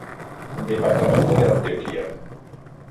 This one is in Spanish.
Departamento de Antioquia.